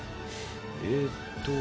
えっと